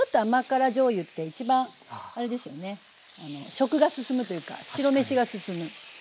食が進むというか白飯が進む。